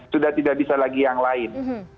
sudah tidak bisa lagi yang lain